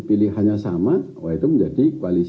pilihannya sama wah itu menjadi koalisi